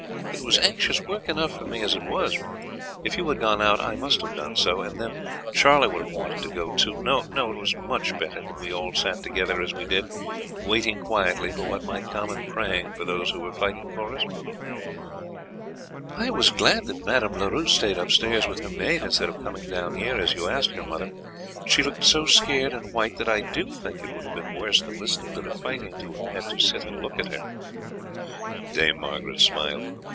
It was anxious work enough for me as it was. If you had gone out I must have done so, and then Charlie would have wanted to go too. No; it was much better that we all sat together as we did, waiting quietly for what might come, and praying for those who were fighting for us." "I was glad that Madame Leroux stayed upstairs with her maid instead of coming down here as you asked her, mother; she looked so scared and white that I do think it would have been worse than listening to the fighting to have had to sit and look at her." Dame Margaret smiled.